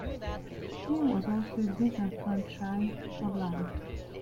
He was also disenfranchised for life.